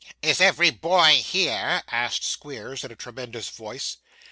'Is every boy here?' asked Squeers, in a tremendous voice.